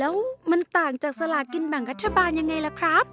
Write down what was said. แล้วมันต่างจากสลากินแบ่งรัฐบาลยังไงล่ะครับ